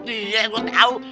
iya gue tau